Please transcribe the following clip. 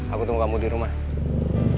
aku tunggu kamu di rumah